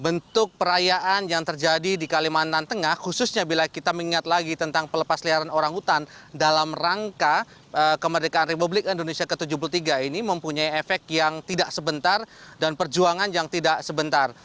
bentuk perayaan yang terjadi di kalimantan tengah khususnya bila kita mengingat lagi tentang pelepas liaran orang hutan dalam rangka kemerdekaan republik indonesia ke tujuh puluh tiga ini mempunyai efek yang tidak sebentar dan perjuangan yang tidak sebentar